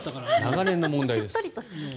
長年の問題です。